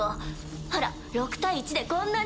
ほら６対１でこんなに。